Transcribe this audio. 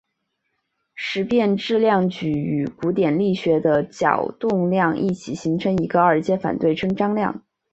时变质量矩与古典力学的角动量一起形成一个二阶反对称张量。